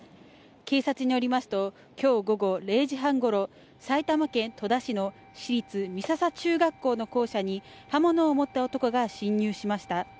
警察によりますと今日午後０時半ごろ埼玉県戸田市の市立美笹中学校の校舎に刃物を持った男が侵入しました。